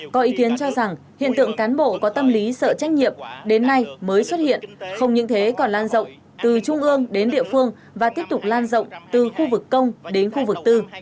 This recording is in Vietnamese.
có ý kiến cho rằng hiện tượng cán bộ có tâm lý sợ trách nhiệm đến nay mới xuất hiện không những thế còn lan rộng từ trung ương đến địa phương và tiếp tục lan rộng từ khu vực công đến khu vực tư